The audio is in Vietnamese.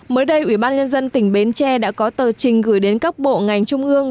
mới đây ủy ban nhân dân tỉnh bến tre đã có tờ trình gửi đến các bộ ngành trung ương